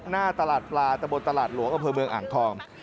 หน้าตลาดปลาตะบนตลาดหลวงอำเภอเมืองอ่างทอง